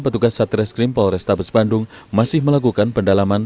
petugas satuan reserse kriminal polrestabes bandung masih melakukan pendalaman